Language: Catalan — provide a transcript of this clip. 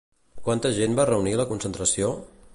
Quanta gent va reunir la concentració?